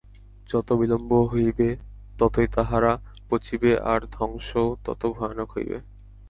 যত বিলম্ব হইবে, ততই তাহারা পচিবে আর ধ্বংসও তত ভয়ানক হইবে।